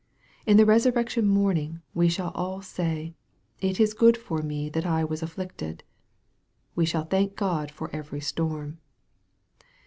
In the resurrection morning, we shall all Bay, " It is good for me that I was afflicted." We shall thank God for every storm.